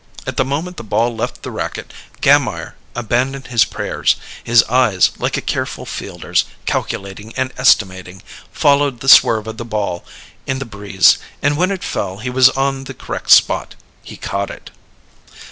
At the moment the ball left the racket Gammire abandoned his prayers: his eyes, like a careful fielder's, calculating and estimating, followed the swerve of the ball in the breeze, and when it fell he was on the correct spot. He caught it.